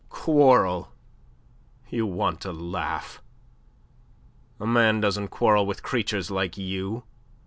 "Quarrel? You want to laugh. A man doesn't quarrel with creatures like you.